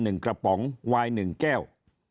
หนึ่งกระป๋องวายหนึ่งแก้ว